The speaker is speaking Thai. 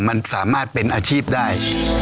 ทุกอย่างมันสามารถเป็นอาชีพได้